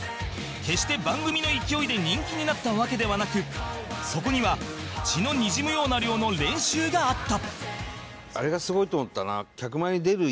決して番組の勢いで人気になったわけではなくそこには血のにじむような量の練習があった